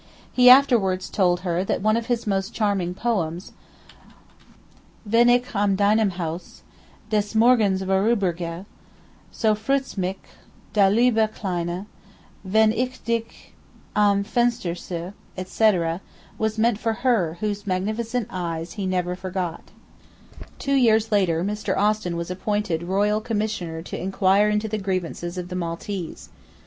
He afterwards told her that one of his most charming poems, 'Wenn ich am deinem Hause Des Morgens vorüber geh', So freut's mich, du liebe Kleine, Wenn ich dich am Fenster seh',' etc., was meant for her whose magnificent eyes he never forgot. Two years later Mr. Austin was appointed Royal Commissioner to inquire into the grievances of the Maltese.